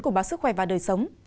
của báo sức khỏe và đời sống